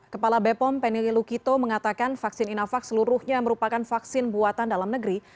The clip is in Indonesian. kepala bepom penelilu kito mengatakan vaksin inovac seluruhnya merupakan vaksin buatan dalam negeri